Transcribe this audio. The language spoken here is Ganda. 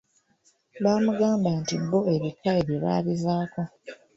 Baamugamba nti bo ebika ebyo baabivaako.